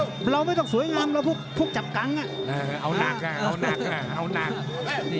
คือเราไม่ต้องสวยงามพวกจับกังเอาหนักเอาหนัก